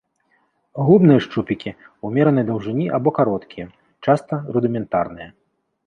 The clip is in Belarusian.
Губныя шчупікі ўмеранай даўжыні або кароткія, часта рудыментарныя.